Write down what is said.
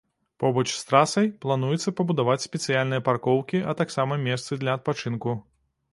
Побач з трасай плануецца пабудаваць спецыяльныя паркоўкі, а таксама месцы для адпачынку.